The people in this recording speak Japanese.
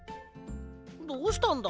どうしたんだ？